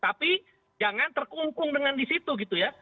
tapi jangan terkungkung dengan di situ gitu ya